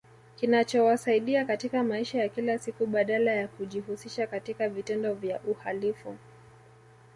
Kinachowasaidia katika maisha ya kila siku badala ya kujihusisha katika vitendo vya uhalifu